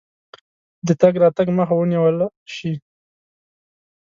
د تګ راتګ مخه ونیوله شي.